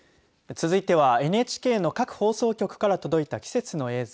続いてはＮＨＫの各放送局から届いた季節の映像。